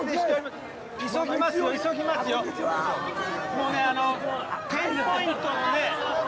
もうねテンポイントのね。